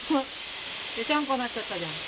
ぺちゃんこになっちゃったじゃん。